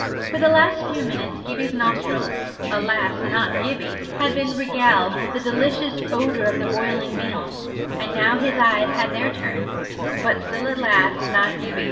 For the last few minutes, Gibbie's nostrils alas! not Gibbie had been regaled with the delicious odour of the boiling meal; and now his eyes had their turn but still, alas, not Gibbie!